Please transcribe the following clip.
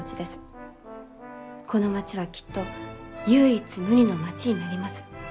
この町はきっと唯一無二の町になります。